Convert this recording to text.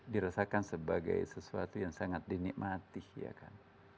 dirasakan sebagai sesuatu yang sangat dinikmati ya kan